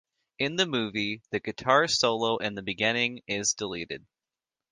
In the movie, the guitar solo in the beginning is deleted.